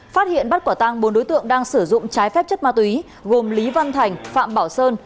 phát hiện bắt quả tăng bốn đối tượng đang sử dụng trái phép chất ma túy gồm lý văn thành phạm bảo sơn